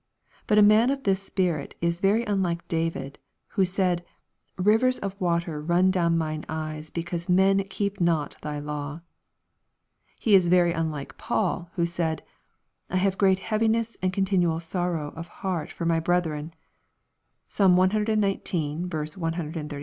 But a man of this spirit is very unlike David, who said, " rivers of waters run down mine eyes, because men keep not thy law." He is very unlike Paul, who said, " I have great heaviness and continual sorrow of heart for my brethren/' (Psalm cxix.